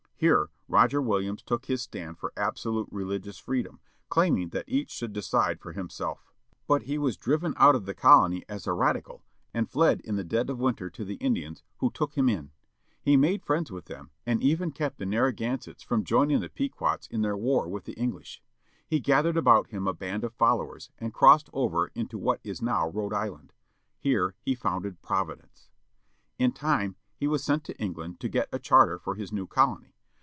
Here Roger Williams took his stand for absolute religious freedom, claiming that each should decide for himself. But he was / f ^,. driven out of DESTRUCTION OF THE PEQUOTS 12 ROGER WILLIAMS BRINGING THE CHARTER, 1644 the colony as a radical and fled in the dead of winter to the Indians, who took him in. He made friends with them, and even kept the Narragansetts from joining the Pequots in their war with the English. He gathered about him a band of followers, and crossed over into what is now Rhode Island. Here he founded Providence. In time he was sent to England, to get a charter for his new colony.